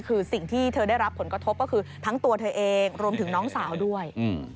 คือสิ่งที่เธอได้รับผลกระทบก็คือทั้งตัวเธอเองรวมถึงน้องสาวด้วย